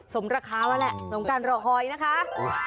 สมราคาวะแหละน้องกันหลอกหอยนะคะ